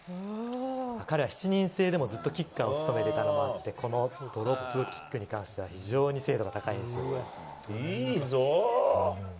彼は７人制でもずっとキッカーを務めてたのもあって、このドロップキックに関しては、非常にいいぞ。